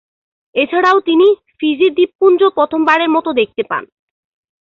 এছাড়াও তিনি ফিজি দ্বীপপুঞ্জ প্রথমবারের মত দেখতে পান।